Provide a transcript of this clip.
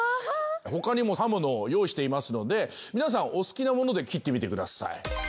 他にも刃物を用意していますのでお好きな物で切ってみてください。